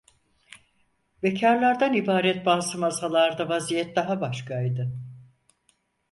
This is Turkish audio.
Bekârlardan ibaret bazı masalarda vaziyet daha başkaydı.